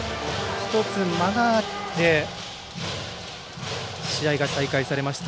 １つ間があって試合が再開されました。